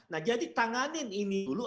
nah jadi tanganin ini dulu